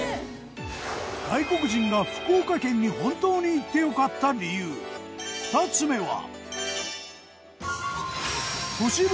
外国人が福岡県に本当に行って良かった理由２つ目は。